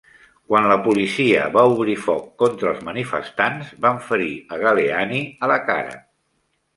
Quan la policia va obrir foc contra els manifestants, van ferir a Galleani a la cara.